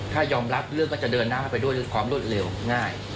ถ้ายอมรับเรื่องก็จะเดินหน้าไปด้วยความรวดเร็วง่าย